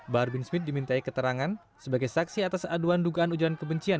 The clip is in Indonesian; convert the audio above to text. bahar bin smith dimintai keterangan sebagai saksi atas aduan dugaan ujaran kebencian